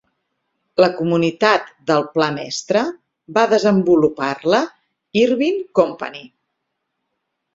La comunitat del pla mestre va desenvolupar-la Irvine Company.